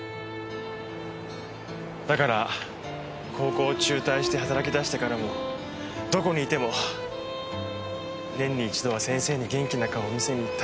だから高校を中退して働き出してからもどこにいても年に一度は先生に元気な顔を見せに行った。